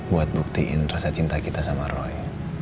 buat buktiin rasa cinta kita sama roy